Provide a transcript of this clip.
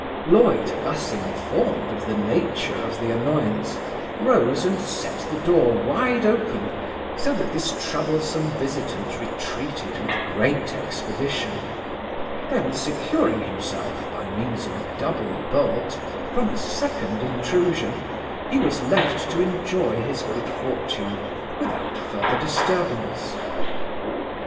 Loyd, thus informed of the nature of the annoyance, rose and set the door wide open, so that this troublesome visitant retreated with great expedition; then securing himself, by means of a double bolt, from a second intrusion, he was left to enjoy his good fortune without further disturbance.